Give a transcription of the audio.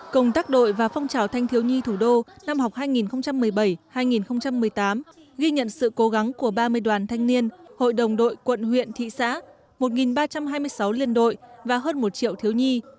công tác đội và phong trào thanh thiếu nhi thủ đô năm học hai nghìn một mươi bảy hai nghìn một mươi tám ghi nhận sự cố gắng của ba mươi đoàn thanh niên hội đồng đội quận huyện thị xã một ba trăm hai mươi sáu liên đội và hơn một triệu thiếu nhi